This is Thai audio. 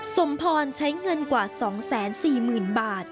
สมพรใช้เงินกว่า๒๔๐๐๐บาท